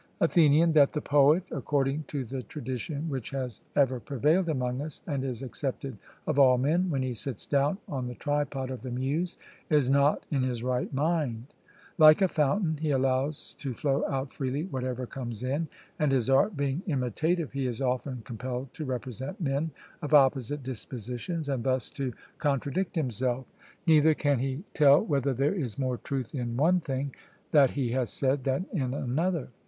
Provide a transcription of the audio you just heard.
ATHENIAN: That the poet, according to the tradition which has ever prevailed among us, and is accepted of all men, when he sits down on the tripod of the muse, is not in his right mind; like a fountain, he allows to flow out freely whatever comes in, and his art being imitative, he is often compelled to represent men of opposite dispositions, and thus to contradict himself; neither can he tell whether there is more truth in one thing that he has said than in another.